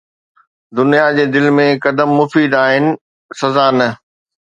دنيا جي دل ۾، قدم مفيد آهن، سزا نه